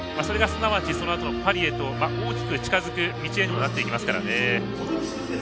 それがすなわちそのあとのパリへと大きく近づく道へとなっていきますからね。